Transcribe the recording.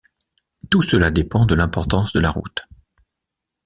Tout cela dépend de l'importance de la route.